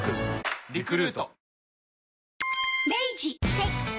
はい。